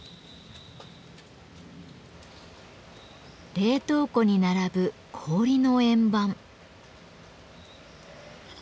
冷凍庫に並ぶ氷の円盤。